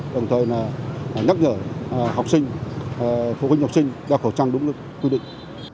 đồng thời nhắc nhở học sinh phụ huynh học sinh giao khẩu trang đúng quy định